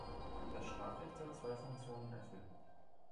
Das Strafrecht soll zwei Funktionen erfüllen.